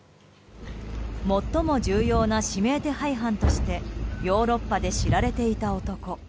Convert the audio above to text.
最も重要な指名手配犯としてヨーロッパで知られていた男。